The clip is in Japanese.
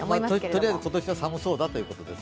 とりあえず今年は寒そうだということで。